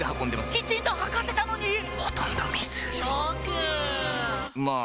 きちんと測ってたのに⁉ほとんど水ショックまあ